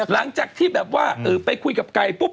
หลังจากที่แบบว่าไปคุยกับไก่ปุ๊บ